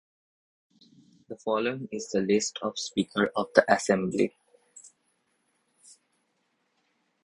The following is the list of speakers of the Assembly.